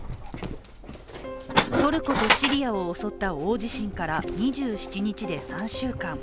トルコとシリアを襲った大地震から２７日で３週間。